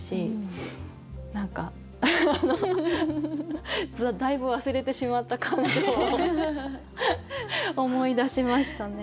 何かだいぶ忘れてしまった感情を思い出しましたね。